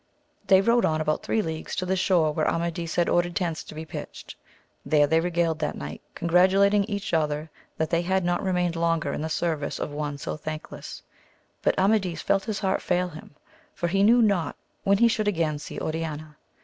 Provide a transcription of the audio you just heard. They rode on about three leagues to the shore where Amadis had ordered tents to be pitched ; there they regaled that night, congratulating each other that they had not remained longer in the service of one so thankless, but Amadis felt his heart fail him, for he knew not when he should again see Oriana.